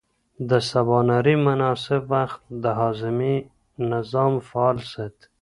د سباناري مناسب وخت د هاضمې نظام فعال ساتي.